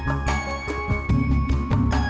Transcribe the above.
saya permisi dulu mak